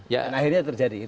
dan akhirnya terjadi